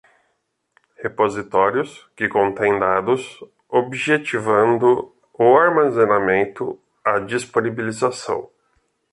repositórios, que contêm dados, objetivando o armazenamento, a disponibilização